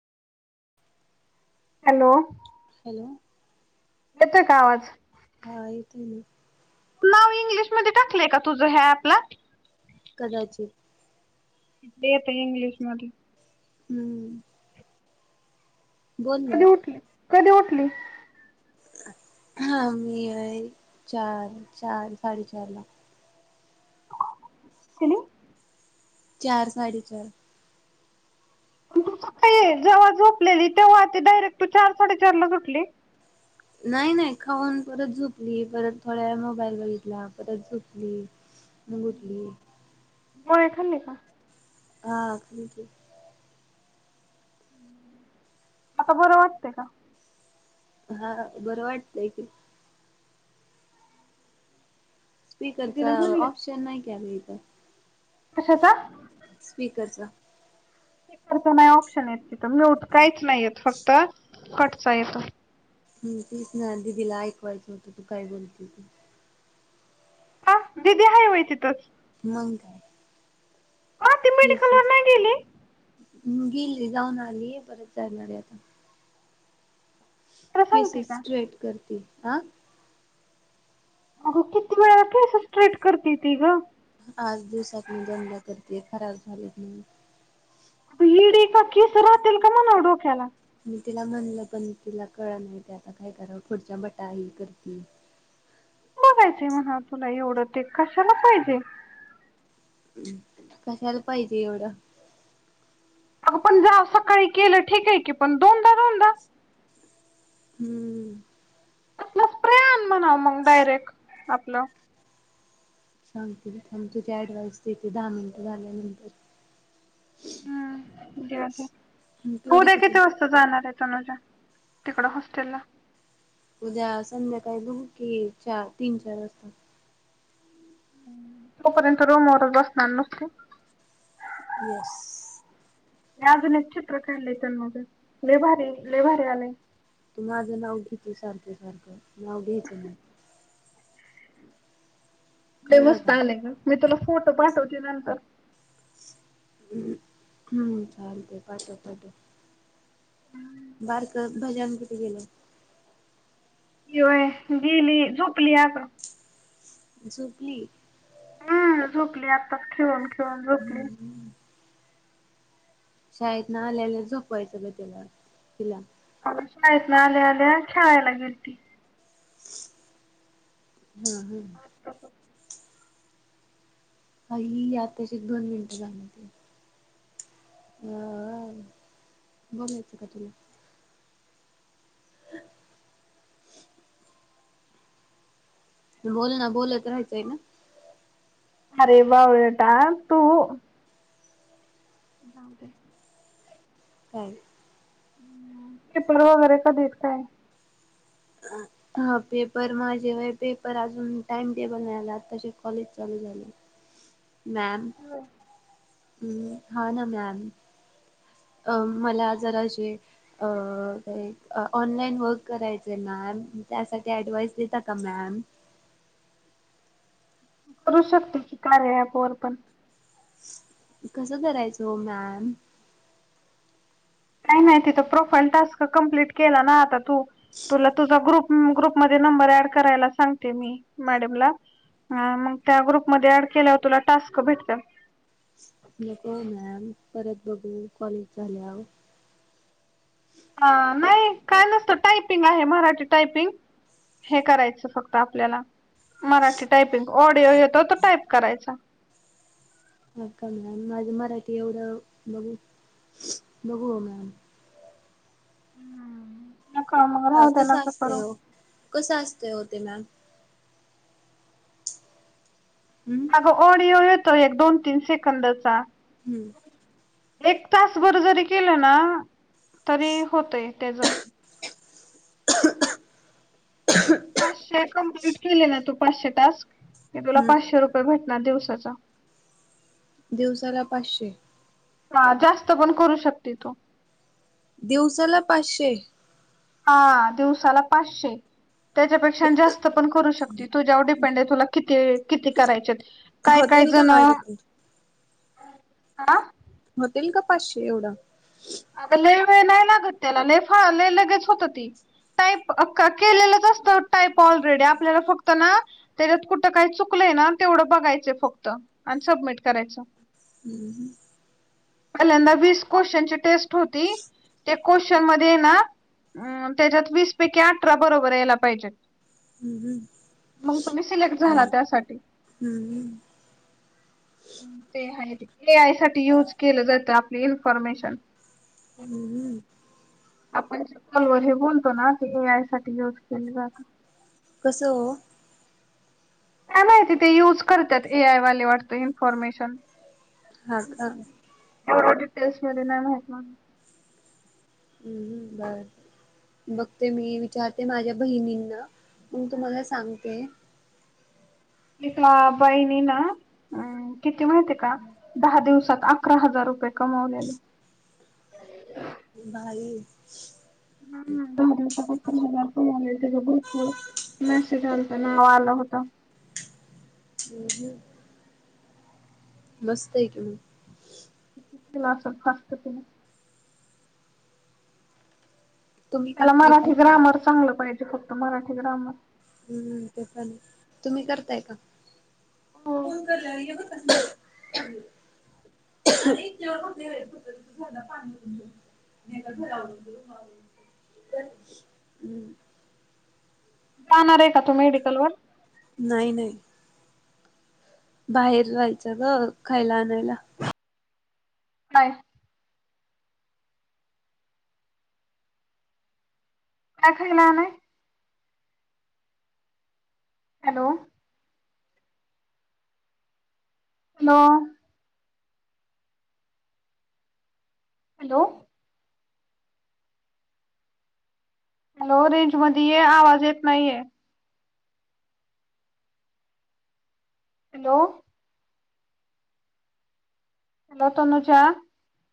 Hello hello येतोय का आवाज? हा येतोय की. नाव इंग्लिशमध्ये‌ टाकलंय का तुझ अपला? कदाचित येत इंग्लिश मध्ये. हम्म बोल ना कधी उठली कधी उठली? हा मी चार चार साडेचार ला त [unintelligible] चार साडे चार जेव्हा झोपलेली तेव्हा ते डायरेक्ट तू चार साडेचार ला उठली नाही नाही खाऊन परत झोपली परत थोड्या व मोबाईल बघितला परत झोपली [inaudible] मुघटली. पोळ्या खाल्ली का? हा कमच. आता बरं वाटते का? हा बरं वाटतंय की. दिदीला स्पीकरचा म्हणले ऑप्शन नाही कलं इथं. कशाचा स्पीकरचा खच नाही ऑप्शन य तिथं म्यूट काहीच नाहीयेत फक्त कटचा येतो. हम तेीच ना दिदीला ऐकवायचं होतं तू काय बोलते त हा दिदी हाय होय तीथ मग हा ती हेच मेडिकलवर नाही गेली गेली जाऊन आली परत जाणार आहे आता तर केस सांगते का स्ट्रेट करते हा. अग किती वेळा केस स्ट्रेट करते ती ग. आज दिवसातून दंडा करते खराब झालेत नाही. इडी का कीस राहतील का म ना डोक्याला. मी तिला म्हणलं पण तिला कळलं नाही ते आता काय करावं खुर्च्या बटा आई करती. बघायचे मग ह तुला एवढं ते कशाला पाहिजे ती कशाला पाहिजे एवढं. अग पण जा सकाळी केलं ठीक आहे की पण दोनदा दोनदा. हम्म आप स्प्रे आन म्हणाव मग डायरेक्ट आपलं. सांगतेग तुझी ऍडवाइस देते दहा मिनिटं झाल्यानंतर. हम्म जाऊदे पिवडी उद्या कुठे कीती वाजता जाणार आहे तनुजा तिकड हॉस्टेल ला उद्या संध्याकाळी बघू की चार तीन चार वाजता. तोपर्यंत रूमवर बसणार नुसत्या येस मी अजून एक चित्र काढले त्यां म लेभारी लेभारीे आले. ती माझं नाव घेते सारखं सारखं नाव घ्यायचं नाय. ते कळलं का मस्त आले ग मी तुला फोटो पाठवते नंतर. हम् हम् चालते पाटो पाठो [unintelligible] ऐकत भजन किती गेले. की व्हय गेली झोपली आता. झुबली. हा झोपली आतांच खेळून खेळून झोपली. हम्म. शाळेत नं आल्यानं झोपवायचं ग तीला तिला शाळेतनं आल्या आल्या खेळायला गेलती. हम्म हम्म तसं. कायी आताची दोन मिनिटं झाल्याती. अहं, बोलायचं का तुला. हं. बोल ना बोलत राहायचंय ना. अरे बावळटा तू. जाऊदे. काय? पेपर वगैरे कधी आहेत काय. हा पेपर माझे व्हय पेपर अजून टाइम टेबल नाही आलं आत्ताची कॉलेज चालू झालंय. [unintelligible] मॅम हा ना मॅम. अ मला जरा अशी अ एक ऑनलाईन वर्क करायचंय मॅम त्यासाठी ऍडवाइस देता का मॅम. करू शकतो की कार्या ॲपवर पण कसं करायचं ओ मॅम? काही नाही तिथं प्रोफाईल टास्क कम्प्लीट केला ना आता तू तुला तुझा ग्रुप ग्रुप मध्ये नंबर ऍड करायला सांगते मी मॅडमला. हा मग त्या ग्रुपमध्ये ऍड केल्यावर तुला टास्क भेटत्यात. नको ओ मॅम परत बघू कॉलेज झाल्याव हा नाही काय नसतं टायपिंग आहे, मराठी टायपिंग. हे करायचं फक्त आपल्याला मराठी टायपिंग ऑडिओ येतो तो टाईप करायचा. हा का मॅम माझं मराठी एवढं बघू बघू ओ मॅम. नका मग ह राहू द्या कसं नका असतंय करू ओ कसं असतंय ओ ते मॅम. हम्म. हो ऑडिओ येतो एक दोन तीन सेकंदचा. हम्म एक तासभर जरी केलं ना तरी होतयं तेजं. पाचशे कम्प्लीट केले ना तू पाचशे टास्क ते तुला हम्म पाचशे रुपये भेटणार दिवसाचं. दिवसाला पाचशे. हां जास्त पण करू शकते तू. दिवसाला पाचशे. हा दिवसाला पाचशे. त्याच्यापेक्षा जास्त पण करू शकते तुझ्यावर डिपेंड आहे तुला किती किती करायचेत. काय काय होतील का जणं माझ्याकडून आं. होतील का पाचशे एवढं. अगं लैई वेळ नाही लागत त्याला लैई फा लैई लगेच होतं ती. टाईप केलेलंच असतं टाईप ऑलरेडी आपल्याला फक्त ना तेच्यात कुठं काय चुकलयं ना तेवढं बघायचं फक्त आणि सबमिट करायचं. हम्म हम्म पहिल्यांदा वीस क्वेश्चनची टेस्ट होती ते क्वशन मध्ये ये ना त्याच्यात वीस पैकी अठरा बरोबर यायला पाहिजेत. हम्म मग तुम्ही सिलेक्ट झाला त्यासाठी हम्म ते आहे रे ए आय साठी युज केलं जातं आपली इन्फॉर्मेशन. हं हं. आपण फोनवर हे बोलतो ना ते ए आय साठी यूज केलं जात. कसं अ. काय माहीती ते यूज करत्यात ए आय वाले वाटतं इन्फॉर्मेशन हा का [unintelligible] टेस्टमध्ये नाही माहित मग. हम्म हम्म बर बघते मी विचारते माझ्यां बहिणींना मंग तुम्हांला सांगते. एका बाईनी ना हम् किती माहिती का दहा दिवसात अकरा हजार रुपये कमावलेले भारीये हम्म द त्याच ग्रुपवर मेसेज आलता ना आला होत हम्म हम्म मस्तं हे की नी मंग तसंच केलं असल फास्ट त्यानं तुम्ही त्याला करताय का मराठी ग्रामर चांगलं पाहिजे फक्त मराठी ग्रामर हम्म तस नाही तुम्ही करताय का [unintelligible] [unintelligible] हो हम्म जाणार आहे का तू मेडिकल वर. नाही नाही बाहेर जायचं ग खायला आणायला नाही काय खा नाही. Hello hello hello hello range मध्ये ये आवाज येत नाहीये. हॅलो. हॅलो तनुजा